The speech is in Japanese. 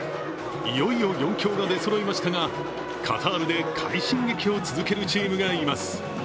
いよいよ４強が出そろいましたが、カタールで快進撃を続けるチームがいます。